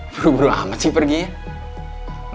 buru buru amat sih perginya